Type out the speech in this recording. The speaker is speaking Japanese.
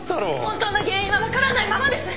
本当の原因は分からないままです！